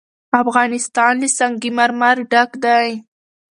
افغانستان له سنگ مرمر ډک دی.